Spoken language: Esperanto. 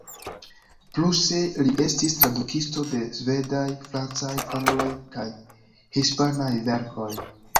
Pluse li estis tradukisto de svedaj, francaj, anglaj kaj hispanaj verkoj.